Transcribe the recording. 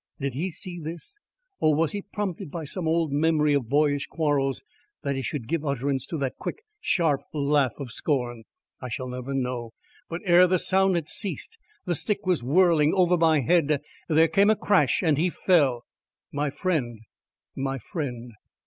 Did he see this, or was he prompted by some old memory of boyish quarrels that he should give utterance to that quick, sharp laugh of scorn! I shall never know, but ere the sound had ceased, the stick was whirling over my head there came a crash and he fell. My friend! My friend!